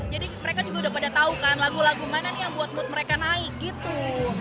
jadi mereka juga udah pada tau kan lagu lagu mana nih yang buat mood mereka naik gitu